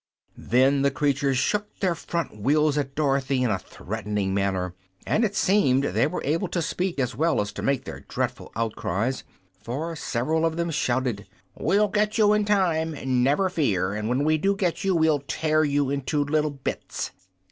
Then the creatures shook their front wheels at Dorothy in a threatening manner, and it seemed they were able to speak as well as to make their dreadful outcries, for several of them shouted: "We'll get you in time, never fear! And when we do get you, we'll tear you into little bits!"